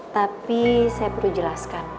tapi saya perlu jelaskan